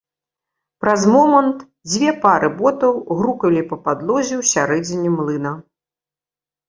Праз момант дзве пары ботаў грукалі па падлозе ў сярэдзіне млына.